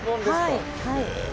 はい。